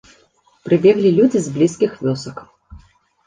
Прыбеглі людзі з блізкіх вёсак.